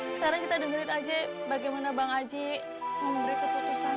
sekarang kita dengerin aja bagaimana bang haji memberi keputusan